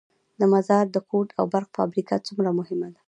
د مزار د کود او برق فابریکه څومره مهمه ده؟